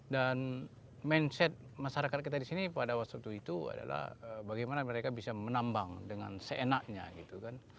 dan mindset masyarakat kita di sini pada waktu itu adalah bagaimana mereka bisa menambang dengan seenaknya gitu kan